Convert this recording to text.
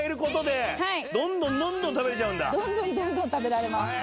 どんどんどんどん食べられます。